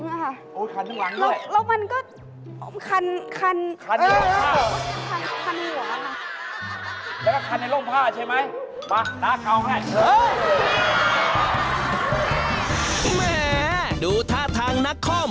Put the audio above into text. แหมดูท่าทางนักคอม